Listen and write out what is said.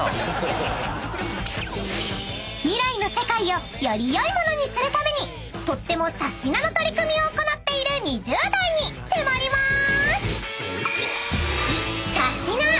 ［未来の世界をよりよいものにするためにとってもサスティなな取り組みを行っている２０代に迫りまーす！］